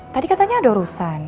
tadi katanya ada urusan